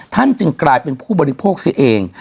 ท่านจึงกลายเป็นผู้บริโภคเสียเอง